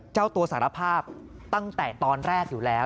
เจ้าตัวสารภาพตั้งแต่ตอนแรกอยู่แล้ว